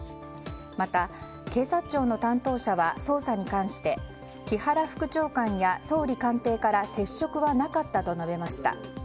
また、警察庁の担当者は捜査に関して木原副長官や総理官邸から接触はなかったと述べました。